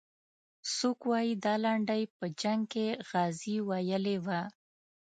څوک وایي دا لنډۍ په جنګ کې غازي ویلې وه.